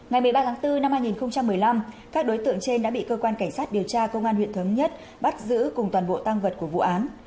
ngày một mươi ba tháng bốn năm hai nghìn một mươi năm các đối tượng trên đã bị cơ quan cảnh sát điều tra công an huyện thống nhất bắt giữ cùng toàn bộ tăng vật của vụ án